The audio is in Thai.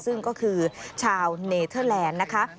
ซึ่งก็คือชาวเนเทอร์แลนด์นะคะ